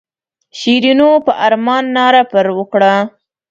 شیرینو په ارمان ناره پر وکړه.